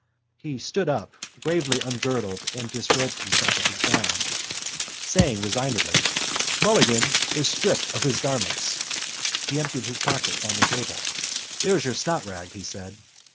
He stood up, gravely ungirdled and disrobed himself of his gown, saying resignedly: —Mulligan is stripped of his garments. He emptied his pockets on to the table. —There's your snotrag, he said.